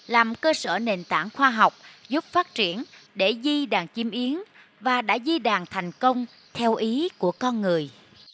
làm cơ sở nền tảng khoa học giúp phát triển để di đàn chim yến và đã di đàn thành công theo ý của con người